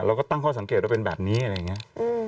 เราก็ตั้งข้อสังเกตว่าเป็นแบบนี้อะไรอย่างนี้